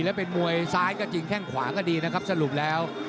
แล้วเป็นมวยซ้ายก็จริงแข้งขวาก็ดีครับ